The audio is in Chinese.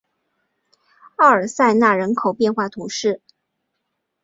奥尔桑讷人口变化图示